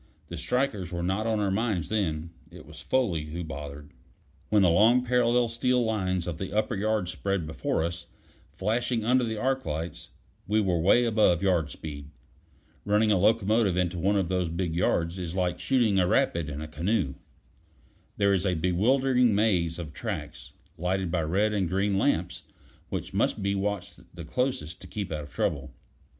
The strikers were not on our minds then; it was Foley who bothered. When the long parallel steel lines of the upper yards spread before us, flashing under the arc lights, we were away above yard speed. Running a locomotive into one of those big yards is like shooting a rapid in a canoe. There is a bewildering maze of tracks, lighted by red and green lamps, which must be watched the closest to keep out of trouble.